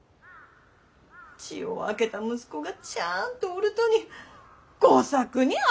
血を分けた息子がちゃんとおるとに吾作に跡ば譲るて！